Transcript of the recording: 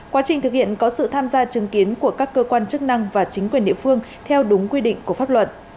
quá trình thực hiện có sự tham gia chứng kiến của các cơ quan chức năng và chính quyền địa phương theo đúng quy định của pháp luật